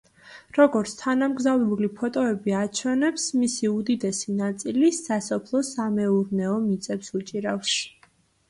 როგორც თანამგზავრული ფოტოები აჩვენებს, მისი უდიდესი ნაწილი სასოფლო-სამეურნეო მიწებს უჭირავს.